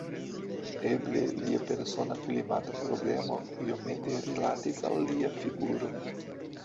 Eble lia persona klimata problemo iomete rilatis al lia figuro.